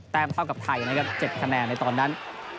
เท่ากับไทยนะครับ๗คะแนนในตอนนั้น